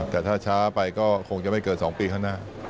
แต่ถ้าช้าไปก็คงจะไม่เกิน๒ปีข้างหน้า